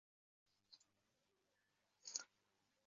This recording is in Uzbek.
Lekin kechiksam bir narsadan quruq qoladigandek shoshayapman